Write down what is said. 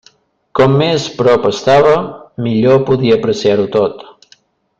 Com més prop estava, millor podia apreciar-ho tot.